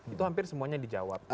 itu hampir semuanya dijawab